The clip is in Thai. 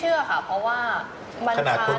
หรือความลัดความลัดในในธุรกิจ